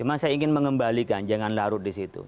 memang saya ingin mengembalikan jangan larut di situ